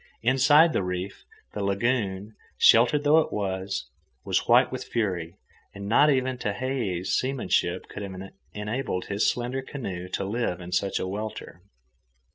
Inside the reef, the lagoon, sheltered though it was, was white with fury, and not even Tehei's seamanship could have enabled his slender canoe to live in such a welter.